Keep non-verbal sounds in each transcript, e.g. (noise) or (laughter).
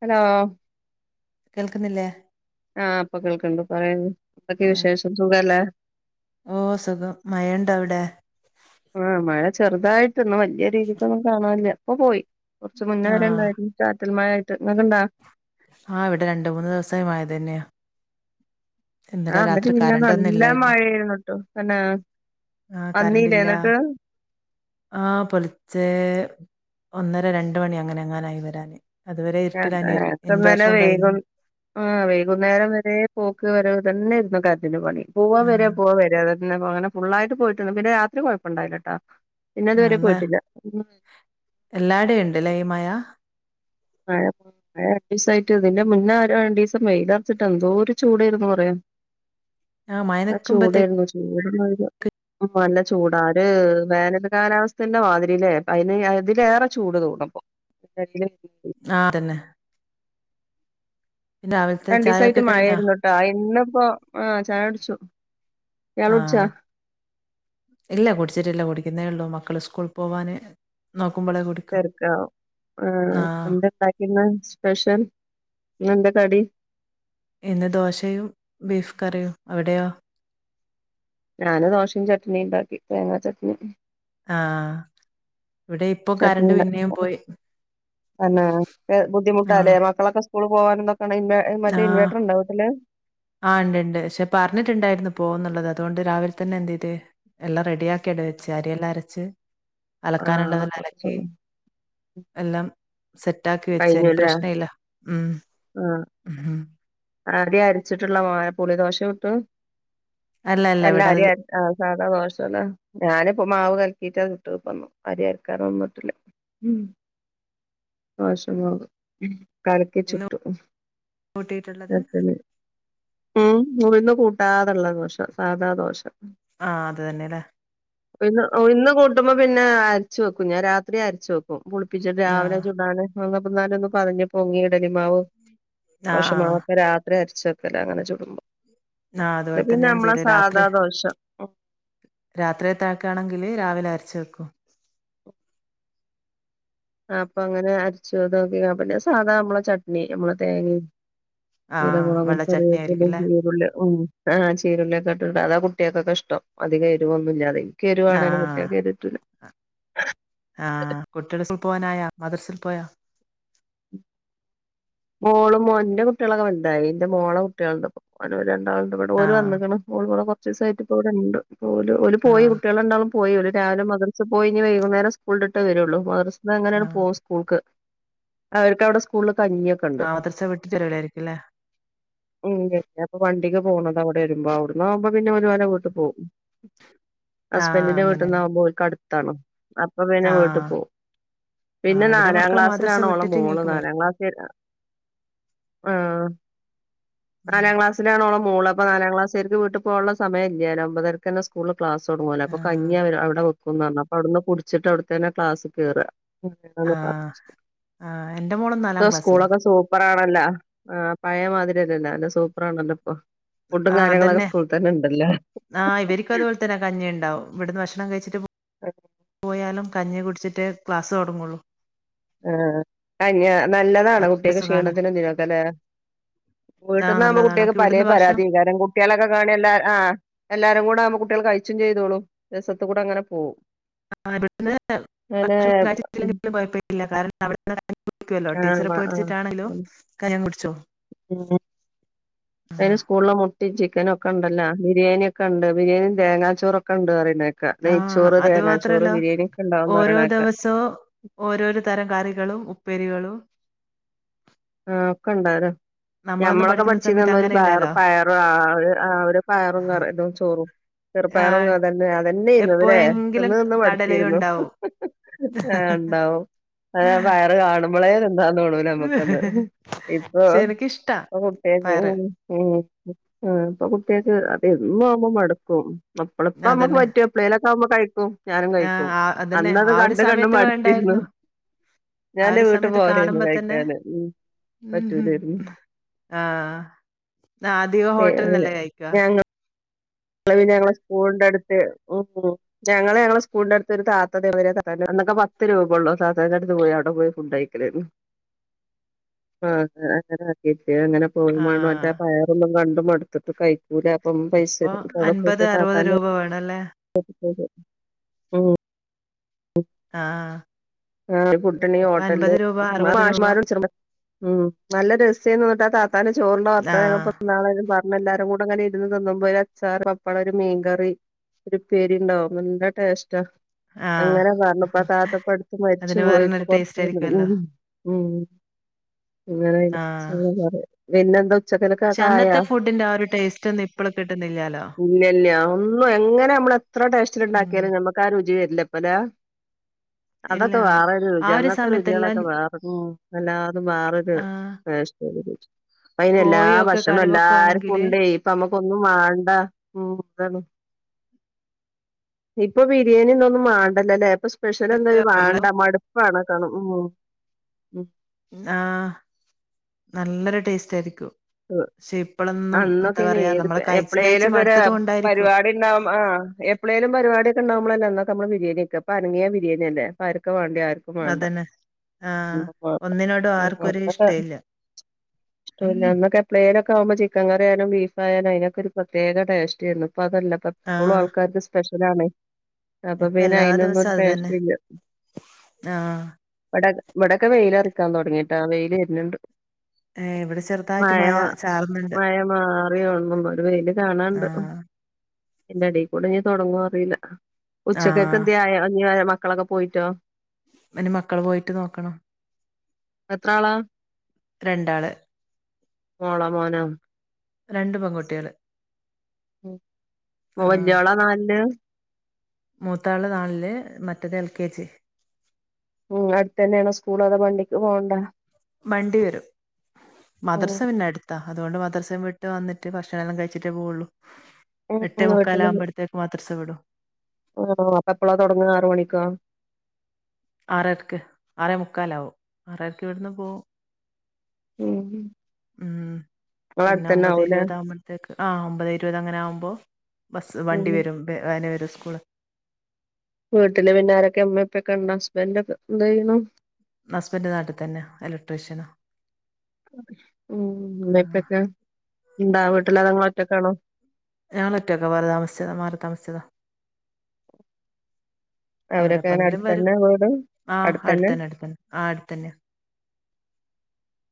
Hello കേൾക്ക്ന്നില്ലേ ആഹ് ഇപ്പൊ കേൾക്ക്ണ്ട് പറയൂ എന്തൊക്കെ ആഹ് വിശേഷം സുഖല്ലേ ഓ സുഖം മയണ്ടോ അവ്ടെ? ഉം മഴ ചെറുതായിട്ട് ഇന്നാ വല്യ രീതിക്കൊന്നും കാണാല്ല്യ ഇപ്പ പോയി കൊറച്ച് മുന്നേ വരെ ആഹ് ഇണ്ടായിരുന്നു ചാറ്റൽ മഴായിട്ട് ഇങ്ങക്ക്ണ്ടോ? ആഹ് ഇവിടെ രണ്ട്മൂന്ന് ദിവസം മഴ തന്ന്യാ ആഹ് ഇന്നലിം മിഞ്ഞാന്നും നല്ല ഇല്ലായിരുന്നു മഴേന്നു ട്ടോ. തന്നേ വന്നീലേ ഇന്ന്ട്ട് ആ പൊലച്ചേ ഒന്നര രണ്ട് മണി അങ്ങനെ എങ്ങാനായി വരാന് അതുവരെ (unintelligible) ഇരുട്ടിലാണ് ഇന്നലെ ഇൻവേർട്ടറും കഴിഞ്ഞ് വൈകും ആ വൈകുന്നേരം വരെ പോക്ക് വരവ് തന്നേര്ന്നു കരൻ്റിന് പണി പോവാ ആഹ് വരാ പോവാ വരാ അ പിന്നെ അനെ ഫുള്ളായിട്ട് പോയിട്ടിരുന്നു പിന്നെ രാത്രി കുഴപ്പമുണ്ടായില്ല കേട്ടോ പിന്നെ ആഹ് അതുവരെ എന്നാ പോയിട്ടില്ല എല്ലാടേം ഉണ്ടല്ലേ ഈ മഴ ഏഹ് (unintelligible) രണ്ടീസായിട്ട് ഇതിന്റെ മുന്നേ ഒരോ രണ്ടീസം വെയിലർച്ചിട്ട് എന്തോ ഒരു ചൂടേര്ന്നു (unintelligible) ആഹ് മഴ ആ നിക്കുമ്പത്തേക്ക് ചൂടായിരുന്നു ചൂട്ന്ന ഉ നല്ല ചൂടാര് വേനൽ കാലാവസ്ഥേന്റെ മാതിരില്ലേ അതിന് ഇതിലേറെ ചൂട് തോന്നുപോ (unintelligible) ആഹ് അതന്നെ പിന്നെ രാവിലത്തെ രണ്ട ചായയൊക്കെ ദിവസമായിട്ട് മഴ കഴിഞ്ഞാ ആരുന്നുട്ടാ ഇന്നിപ്പോൊ ആഹ ചായ കുടിച്ചു. ഇയാൾ കുടിച്ച ആഹ് ഇല്ല കുടിച്ചിട്ടല്ല കുടിക്കുന്നേ ഉള്ളൂ മക്കള് സ്കൂള പോവ നോക്ക െർക്ക ആഹ് എന്ത ഉണ്ടാക്കുന്ന സ്പെഷ്യൽന്ത കടി ഇന്ന് ദോശയും ബീഫ് കറിയും. അവിടെയാ? ഞാന് ദോശയും ചട്നിയുംണ്ടാക്കി തേങ്ങാ ചട്നി. ആഹ ഇവിടെ ഇപ്പൊ കരണ്ട് പിന്നേും പോയി എന്നന്നാ ബുദ്ധിമുട്ട ആഹ് അല്ലേ മക്കളൊക്കെ സ്കൂൾ പോകൻ എന്തൊക്കെയ ഇവ മറ്റേ ഇൻവെർട്ടർ ഉണ്ടോവീട്ടിൽ ആ ഉണ്ട് ഉണ്ട് പക്ഷെ പറഞ്ഞിട്ടുണ്ടായിരുന്നു പോന്നുള്ളത് അതുകൊണ്ട് രാവിലെ തന്നെ എന്ത ചെയ്് എല്ലാം റെഡി ആാക്കി എടു വച്ചു ച്ചരിെല്ലാം അരച്ച് അലക്കാനുള്ളതെല്ലാം അലക്കി ആഹ് എല്ലാം സെറ്റ ആാക്കി വെച്ചന് കഴിഞ്ഞുല്ലേ പ്രശ്ന ഇല്ല ഉം ആദ്യ അരിച്ചിട്ടുള്ള മ പുളി ദോശ ചുട്ടു അല്ല അറിയ ആ ആ ദോഷല്ല ഞാനിപ്പോ മാവ് കൽക്കിട്ട് അത് ഇട്ട്ന്നു അര് കലക്കാൻ നിന്നിട്ടില്ല ഉ ആശിർവാദ് കലക്കി ഇന്ന് ചുട്ടും കൂട്ടിയിട്ടുള്ളത് കട്ട ഉം മുവിന്ന് കൂട്ടാറുള്ള ദോഷം സാധാ ദോഷം ആഹ അത് തന്നെല്ലേ ഇന്ന് ഇന്ന് കൂട്ടുമ്പോ പിന്നെ അരച്ചു വെക്കും ഞാൻ രാത്രി അരച്ചു വെക്കും പുളിപ്പിച്ചിട്ട് രാവിലെ ആഹ് ചൂടാണ് അന്നാല ഒന്ന് പതഞ്ഞ് പൊങ്ങി ഇടലിമാവ് ആഹ് ആഹ രാത്രരി അരിച്ചോക്കല്ല അങ്ങനെ ചുടുമ്പോ ആഹ ഇത് അതുപോലെ തന്നെ പിന്നെ ഞാൻ നമ്മളെ ചെയ്ലേ രാത്രി സാധാ ദോശ രാത്രിയ തഴക്കയാണെങ്കില് രാവിലെ അരച്ചു വക്കും ക്കെ അപ്പൊ അങ്ങനെ അരച്ചു അത്ോക്ക പിന്നെ സാധാ നമ്മളെ ചട്നി നമ്മള തേങ്ങ. ആഹ് ചീരമുളകും വെള്ള ചട്നി ആയിരിക്കും കറിയും അല്ലേ ചീരുള്ള ഉ ആ് ചീരുള്ളയക്കെ ണ്ട് അതാ കുട്ടികൾൊക്കെ ഇഷ്ട അധികം എരുവൊന്നുമ ഇല്ലാെ ഈ ക എരുവാണേനും കുട്ടികൊെ പറ്റിലാ ആഹ കുട്ടിയോൾ പോവാനായ മദ്രസിൽ പോയാ മോളും മോ എന്റെ കുട്ടികളൊക്കെ വണ്ടായി എന്റെ മോളെ കുട്ടികളുണ്ട് അവ ര ഇവിടെഓര് ആഹ് വന്നിഓൂടെ കുറ ദിവസമായിട്ട് ഇ ഇവിടെ ഉണ്ട് പോയി ആഹ് കുട്ടികള ഉണ്ടാവളും പോയില്ലൂ രാവിലെ മദർസ പോയി ഇനി വൈകുന്നേരം സ്കൂളിൽ ഇട്ടേ വരുള്ളൂ മദർസ എങ്ങനെയാണ് ആഹ് പോകും സ്കൂൾക്ക് അവർക്ക് അവിടെ സ്കൂളിൽ കഞ്ഞ ആഹ് വദർച്ച വിട്ടി്ിലവിളായിരിക്കുംല്ലേ ഉ അപ്പൊ വണ്ടിക്ക് പോണത് അവിടെ വരുമ്പോ അവിടന്ന ആകുമ്പോ പിന്നെ ഒരുപനം വീട്ട് പോവുംും ആഹ് ഹസ്ബൻഡിന്റെ വീട്ടിൽ അങ്ങനെയാണ് നിന്നാവകുമ്പോക്ക്ടുത്താണ്ോ അപ്പൊ പിന്നെ വീട്ടിൽ ആഹ് പോകും പിന്നെ ആഹ് ഇവിടെ നാലാം മക്കള് മദ്രസ ക്ലാസ്സിലാണോഓള വിട്ടിട്ട് മോള് ഇങ്ങേക്ക് വരും നാലാം ക്ലാസ് ആ ആഹ് നാലാം ക്ലാസ്സിലാണോള മോള അപ്പ നാലാം ക്ലാസ്ായിരിക്കക്ക് വീട്ട പോുള്ള സമയമല്ലാലും അമ്പതരർ തെ സ്കൂള് ക്ലാസ് തുടങ്ങ പോല അൊ ആഹ് കഞ്ഞ അവിടെ പറഞ്ഞാ അടുന്ന് കുടിച്ചിട്ട അവിടത്ത തന്നെ ക്ലാസ് ക കേറുക ആഹ് ആഹ് എന്റെ മോള് നാലാം (inaudible) ക്ലാസ്സിലാ സ്കൂളൊക്കെ സൂപ്പറാണല്ലോ ആ പഴയമാതിരില്ലല്ല അല്ല സൂപ്പറാണല്ലോ ഇപ്പൊ ഫുഡും ആ കാര്യങ്ങളൊക്കെ അതന്നെ സ്കൂളിൽ തന്നെ ഉണ്ടല്ലോ ആ് ഇവര്ക്കു അതുപോലെ തന്നെ കഞ്ഞി ഉണ്ടാവും ഇവിടുന്ന് ഭക്ഷണം കഴിച്ചിട്ട് പോയാലും കഞ്ഞി കുടിച്ചിട്ട് ക്ലാസ് തുടങ്ങുള്ളൂ ആ കഞ്ഞി നല്ലതാണ അതൊരു കുട്ടിയക്കെ സുഖാണ് ക്ഷീണത്തിനെന്തിനൊക്കെ അല്ലേ ആഹ് വീട്ടന്നാകുമ്പോ നല്ലതാണ് കുട്ടികക്ക് അവർക്ക് പലേ ഇവിടുന്ന് ഭക്ഷണം പരാതി കാരണം കുട്ടികളൊക്കെ കാണി എല്ല ആ എല്ലാരും കൂടെ ന കുട്ടികൾ കഴിച്ചും ചെയ്തോളൂ രസത്ത കൂടെ അങ്ങനെ പോകും ആ ഇവിടുന്ന് അങ്ങനെ ഭക്ഷണം കാഴിട്ടെങ്കിലും ഉം കുഴപ്പില്ല കാരണം അവിടെിക്കല്ലോ ആ ടീച്ചറെ ആ പേടിച്ചിട്ടാണേലോ കം കുടിച്ചോ ഉം ആ അയ്ന് സ്കൂളില ചിക്കന് ഒക്കെ ഉണ്ടല്ലോ ബിരിണിയ ഒക്കെ ഉണ്ട് ബിരിയാണിയും തേങ്ങാച്ചോറൊക്കെ ഉണ്ട് പറുയുന്നേക്ക ആ നെയ്ചോറ് അത് തേങ്ങാ ചോറ് മാത്രല്ല ബിരിയാണി ഒക്കെ ഉണ്ടാവന്ന് ഓരോ പറിണേക്കാ ദിവസവും ഓരോരോ തരം കറികളും ഉപ്പേരികളും ആ ഒക്കെ ഉണ്ടേലോ നമ്മളൊന്നും ഞമ്മളൊക്കെ പഠിക്കുന്ന സമയത്ത് പഠിച്ചിന്ത ഒരു അങ്ങനെ പയർ ഇല്ലല്ലോ പയറ് ആ ആ ഒരു പയറും ക ഇതും ചോറും ആ ചെറുപ്പായറൊങ്ങ അതന്നെ അതന്നെ ഇ അവരെ എപ്പോയെങ്കിലും തിന്ന് നിന്ന് കടലയും മടുത്തിരുന്നു ഉണ്ടാവും ആ ഉണ്ടാവും അ പയർ കാണുമ്പോളേ തിന്നാൻ തോണൂലാ നമുക്ക് അന്ന് ഇപ്പൊ പക്ഷെ എനിക്കിഷ്ടാ ഇപ്പോ കുട്ടിആക്ക് പയറ് ഉം ഉം ഇപ്പോ കുട്ടി ആൾക്ക് അത് എന്നും ആവു മടക്കും അപ്പളപ്പോ നമ്മുക്ക് അതന്നെ പറ്റും എപ്പഴേലൊക്കെകുമ്പോ കഴിക്കും ഞാനും ആ കഴിക്കും ആ- അതന്നെ അന്നത് ആ ഒരു കണ്ട് കണ്ട് സമയത്ത് മടുത്തിരുന്നു വേണ്ടായിരുന്നു ഞാൻ എൻന്റെ വീട്ടു പോവലേയ്ന്ന് കഴിക്കാന് ഉ പറ്റൂലായിരുന്നു ആ ആ അധികം ഹോട്ടൽ നല്ലത് കയക്കുവ ഞങ്ങള് ഞങ്ങളെ സ്കൂളിന്റെ അടുത്ത് ഉ ഞങ്ങള് ഞങ്ങളെ സ്കൂളിന്റെ അടുത്ത് ഒരു താത്ത ഇതോ മാതിരി (unintelligible) അന്നക്കെ പത്ത് രൂപ ഉള്ളോ താത്താന്റെഅടുത്ത് പോയി അവിടെ പോയി ഫുഡ് കയിക്കല് (inaudible) ആ ആ അത (unintelligible) അങ്ങനെ പോയി വേണ മറ്റേ ആഹ് പയറൊന്നും കണ്ടും മടുത്തിട്ട് കഴിക്കൂല അപ്പം പൈസ ഇപ്പൊ തരും വിടെ പോയിട്ട അൻപത് അറുപത് കാക്കാന രൂപ വേണല്ലേ ഉം (unintelligible) ആ ആ ഫുഡ് ഇണ്ടങ്കി ഹോട്ടല് രൂപ അറുപത് രൂപ മാഷ്മാരും (unintelligible) ഉം നല്ല രസയ്നു തത്താനും ചോറി വർത്തന ആഹ് ഞങ്ങള്പ്പോ ഇനാളെും പറഞ്ഞ എല്ലാരു കൂടെ അങ്ങനെ ഇരുന്ന് തിന്നുമ്പോ ഒരാൾ സാർ പപ്പളം ഒരു മീൻകറി ഒരു പേരി ഉണ്ടാവും നല്ല ടേസ്റ്റാ ആഹ് അങ്ങനെ പറഞ്ഞപ്പ താത്തപ്പടുത്ത് മരിച്ചു അതിന് പോയി ഇപ്പൊ വേറെന്നൊരു ടേസ്റ്റ് കൊറച്ച ഒ ആയിരിക്കുവല്ലോ ഉം ഉം ഇങ്ങനെ (unintelligible) പിന്നെന്തോ പക്ഷേ അനത്തെ ഫുഡിന്റെ ആ ഒരു ടേസ്റ്റ് ഒന്ന് ഇപ്പോള് കിട്ട ഇല്ല ഇല്ല ഒന്നും എങ്ങനെ നമ്മള എത്ര ടേസ്റ്റില് ഉം ഉണ്ടാക്കിയാലും ഞമ്മക്ക് ആ രുചി ഇല്ലപ്പലാ (inaudible) അതൊക്കെ വേറെൊരു ആ രുചി ഒരു അന്നത്തെ സമയത്തെല്ലാം രുചികളൊക്കെ വേറ എല്ലാതും വേറൊരു ആഹ് വേഷല്ല ഇപ്പ അയിെ എല്ലാ കോഴിയൊക്കെ ഭക്ഷണം കറി എല്ലാർക്കും വെക്കുവാണെങ്കില് ഉണ്ട് ഇപ്പ നമ്മുക്കൊന്നും വണ്ട ഉ അതാണ് ഇപ്പൊ ബിരിയാണിന്ന ഒന്നും വണ്ടല്ലല്ലേ ഇപ്പൊ സ്പെഷ്യൽ എന്തായും വേണ്ട മടുപ്പാണ കാണണം ഉ ഉ ആ നല്ലൊരു ടേസ്റ്റ് ആയിരിക്കും ആ പക്ഷെ ഇപ്പളൊന്നും എന്താ അന്നൊക്കെന പറയാ ഏത് നമ്മള് കഴിച്ച് കഴിച്ച് എപ്പഴേലൊക്കെ ഒ മടുത്തത് കൊണ്ടായിരിക്കും പരിപാടി ഉണ്ടാവകും ആ എപ്പഴ പരിപാടിൊെണ്ടക്പളല്ല അന്ന് നമ്മ ബിരിയാണ ഒക്ക അരങ്ങിയ ബിരിയാി അല്ല ക്കെ വേണ്ടി ആർക്കും വേണ്ട അതന്നെ ആഹ്. ഒന്നിനോടും ആർക്കും ഒരു ഇഷ്ടയില്ല. ഇഷ്ടല്ല എന്നൊക്കെ പ്ലയിന ഒക്കെ ആകുമ്പോ ചിക്കൻ കറിയാലും ബീഫയയും അതിനൊക്കെ ഒരു പ്രത്യേക ടേസ്റ്റ് ആയിരുന്നു അപ്പൊ അതല്ല അപ്പ എപ്പോഴും ആഹ് ആൾക്കാർക്ക് സ്പെഷ്യല ആണ് അപ്പൊ ഇപ്പ പിന്നെ എല്ലാ അയിതിനൊന്നും ദിവസവും ഒരു അത് തന്നെ. പ്രേഷില്ല ആഹ് ഇവിടെ ഇവിടെൊക്കെ വെയില അറിക്കാൻ തുടങ്ങിട്ട് ആ വെയിൽ വരുന്നണ്ട് ഏ ഇവിടെ ചെറു മഴ മഴ മാറിയോണ മുമ്പ ഒരു വെയില് കാണാണ്ട് ആഹ് എന്റെ അടിൽ കൂടെ ഞൻ തുടങ്ങു അറിയില്ല ഉച്ചക്കൊക്കെ ആഹ് ധ്യായ മക്കളൊക്കെ പോയിട്ടോ പി മക്കള് പോയിട്ട് നോക്കണോ എത്ര ആളാ രണ്ടാള് ഓള മോനം രണ്ട് പെകുട്ടികള് വല്ലയാള നല് മൂത്താള് നാണില് മറ്റേത് എൽ കെ ജി ഉം അടുത്ത തന്നെയണോ സ്കൂള അത വണ്ടിക്ക് പോകണ്ട വണ്ടി വരും ഉം മദർസം പിന്നെ അടുത്താ അതുകൊണ്ട് മദ്രസം വിട്ട വന്നിട്ട് ഭക്ഷണണം എല്ലാ കഴിച്ചിട്ട പോവുള്ളൂ ഉ എട്ടേ വീട്ടില മുക്കാലാകുമ്പഴത്തേക്ക് മദ്രസ വിടും. ആ അപ്പ എപ്പളാ തുടങ്ങ ആറ മണിക്കാ ആറരക്ക് ആറേ മുക്കാലാവോ ആറരക്ക് ഇവിടുന്ന് പോകവും ഉം ഉം ഇങ്ങളെ പിന്നെ അടുത്തന്നെ ആവൂലേ ഒമ്പതേകോ താമത്തെക്ക ആ ഒമ്പത് ഇരുപത് അങ്ങനെ ആകുമ്പോൾ ബസ് വണ്ടി ഉം വരും അേന വരും സ്കൂള് വീട്ടില് പിന്നാരൊക്കെ അമ്മയപ്പൊക്കെണ്ട ഹസ്ബൻഡ ഒക്കെ എന്ത ചെയ്യണം ഹസ്ബന്ഡ് നാട്ടിൽ തന്നെ ഇലക്ട്രീഷ്യനോ ഉ അ ഇപ്പൊക്കെ ഇണ്ടാവട്ടില്ലതങ്ങ ഒറ്റക്കാണോ ഞൾൊറ്റൊക്കെ വേറെ താമസിച്ചതാ മാറി താമസിച്ചതാ അവരൊക്കെ അവരപ്പ എങ്ങനെ എങ്കിലും വരൂ അടുത്തന്നെ വീട് ആ അടുത്തന്നെ അടുത്തന്ന ആ അടുത്തന്നെ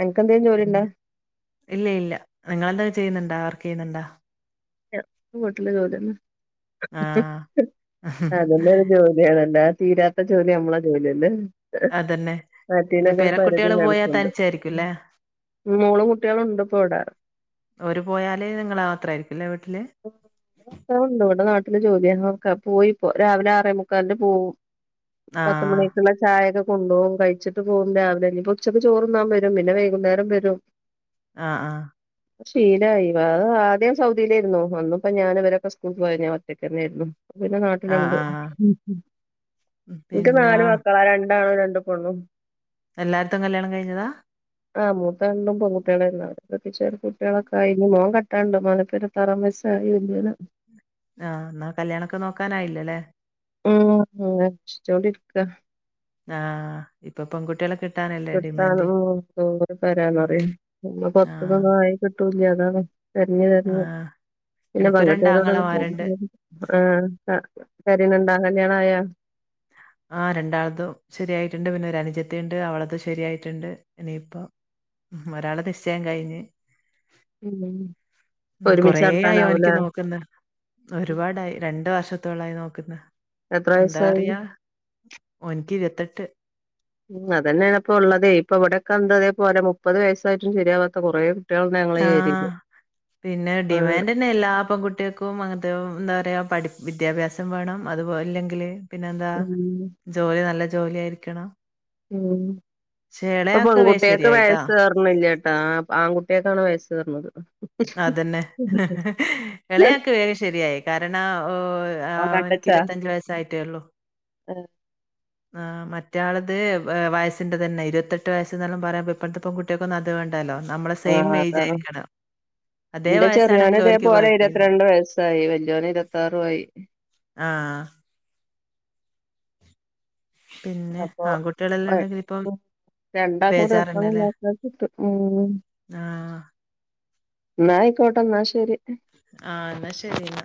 അനക്ക് എന്തേലും പിന്നെ ജോലിണ്ടോ ഇല്ല ഇല്ല നിങ്ങെന്തൊക്കെ ചെയ്യുന്നുണ്ടോ വർക്ക് ചെയ്യുന്നുണ്ടോ ഹോട്ടല ജോല ആ അതല്ലരു ജോലിയണല്ലാ തീരാത്ത ജോലി നമ്മള ജോലില്ലേ അതന്നെ അട്ട പിന്നെ നഗർ പരിധി പേരക്കുട്ടികള് പോയാ നടക്കുന്നുണ്ട് തനിച്ചായിരിക്കുംല്ലേ മൂള കുട്ടികളുണ്ട് ഇപ്പോ ഇവിട ഓര് പോയാല് നിങ്ങള് മാത്രായിരിക്കുംല്ലേ വീട്ടില് ണ്ട് ഇവിടെ നാട്ടില് ജോലിയാ നോക്ക പോയി ഇപ്പോ രാവിലെ ആറേ മുക്കാ തന്റെ പോവും ആ പത്ത് മണിക്കുള്ള ചായക കൊണ്ടപ പോകും കഴിച്ചിട്ട് പോകും രാവിലെല്ല ഉച്ചക്ക് ചോറുംന്നാൻ വരും പിന്നെ വൈകുന്നേരം വരും ആ ആ ശീല അയവ അത് ആദ്യം സൗദിയിലായിരുന്നു വന്നിപ്പോ ഞാനൻ ഇവരൊക്കെ സ്കൂളിൽ പോഞ്ഞ ഒറ്റക്ക തന്നെയിരുന്നു പിന്നെ ആ നാട്ടിലുണ്ട് ആ ആ എന്നട്ട നാലും പിന്നെ മക്കളാരാണ് എണ്ടാണോ രണ്ട പൊണ്ണും എല്ലായിർത്തും കല്യാണം കഴിഞ്ഞതാ ആ മുത്ത കണ്ടും പെൺകുട്ടികള പ്രത്ക കുട്ടികളൊക്കെ ക മോ കട്ടാണ്ട് മലപ്പത്താറ ആ ഇന്ന ആ എന്നാൽ കല്യാണൊക്കെ നോക്കാനായില്ലല്ലേ ഉം ജലിരുക്ക ആഹ് ഇപ്പൊ പെൺകുട്ടികളൊക്കെ കിട്ടാന ഉം വരാന്ന്റിയ ആഹ് പത്തന്നും ആയി കിട്ടൂല്ല തരഞ്ഞു തെഞ്ഞു ആഹ് പിന്നെ എനക്ക് പങ്കിട്ടുകാരോട രണ്ടാങ്ങളമാരുണ്ട് ആ കരുന്നുണ്ടാ ല്യാണയാ ആഹ് രണ്ടാളതും ശരിയായിട്ടുണ്ട് പിന്നെ ഒരു അനിജത്തിണ്ട് അവളതും ശരിയായിട്ടുണ്ട് ഇനിയിപ്പോ ഒരാളെ നിശ്ചയം കഴിഞ്ഞ് ഉം ഉ കൊറ ഒരുമിച്ച് ആയോ എനിക്ക് നടത്താനാവൂലേ നോക്കുന്ന ഒരുപാടായി രണ്ട വർഷത്തോളായി നോക്കുന്ന എത്ര എന്താ വയസ്സായി അറിയാ ഒനിക്ക് ഇരുത്തെട്ട് ഉം അതന്നെയാണപ്പൊ ഉള്ളതെ ഇപ്പ ഇവിടെയൊക്കെ എന്താ അതേപോലെ മുപ്പത് വയസ്സായിട്ടും ശരിയാവാത്ത കൊറേ കുട്ടികളുണ്ട് ഞങ്ങളെ ഏരില് ആഹ് പിന്നെ ഡിമാൻഡന്നെ എല്ലാ പെൺകുട്ട്യെക്കും അങ്ങനത്തെ എന്താ റയാ പഠി വിദ്യാഭ്യാസം വേണം അത് പോലെ ഉം ഉം ഇപ്പൊ ഇളയാക്ക് വേഗം പെൺകുട്ടെയ്ക്ക് ശരിയായിട്ടാ വയസ് ഏർണില്ലട്ടാ ആൺകുട്ടിയക്കാണ് വയസ് സേർന്നത് അതന്നെ ഇളയൊക്കെ വേഗം ശരിയായി കാരണ ഓ ഓൻ ആഹ് അവനിക്ക് ഇരുവത്തഞ്ച് വയസായിട്ടേള്ളൂ ഏഹ് ആഹ് മറ്റാളത് വയസിന്റ തന്നെ ഇരുവത്തെട്ട് വയസ്സ്ന്നെല്ലം പറയുമ്പൊ ഇപ്പൺത്തെ പെൺകുട്ട്യെക്കെന്നും അത് വേണ്ട ണ്ടല്ലോ നമ്മളെ സെയിം ഏജ് ആയിരിക്കണം അതേ ന്റെ ചെറിയോണ് വയസ്സാണെങ്കിൽ ഇതേ അവർക്ക് പോലെ കുഴപ്പമില്ല ഇരുവത്രണ്ട് വയസ്സായി വല്യോന് ഇരുവത്താറു ആയി ആഹ് പിന്നെ ആൺകുട്ടികളെല്ലാ ഉണ്ടെങ്കി ഇപ്പം രണ്ടാക്കു കൂടെ ഒപ്പം ബേജാറുണ്ടല്ലേ (unintelligible) ട്ടും ഉം ആ ന്നായിക്കോട്ടെ എന്നാ ശരി ആഹ് എന്നാ ശരി എന്നാ